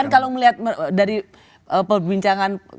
kalau melihat dari perbincangan